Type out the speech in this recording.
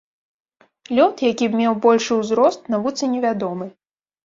Лёд, які б меў большы ўзрост, навуцы невядомы.